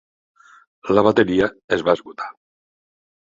La bateria es va esgotar.